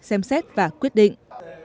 xem xét và quyết định